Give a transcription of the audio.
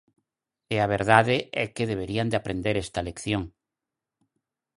E a verdade é que deberían de aprender esta lección.